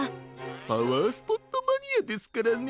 パワースポットマニアですからね。